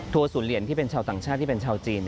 ศูนย์เหรียญที่เป็นชาวต่างชาติที่เป็นชาวจีน